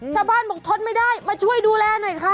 ชาวบ้านบอกทนไม่ได้มาช่วยดูแลหน่อยค่ะ